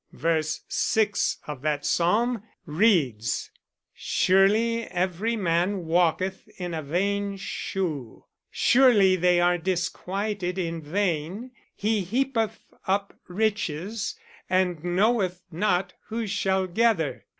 Verse six of that Psalm reads: "'Surely every man walketh in a vain shew: surely they are disquieted in vain: he heapeth up riches, and knoweth not who shall gather.'"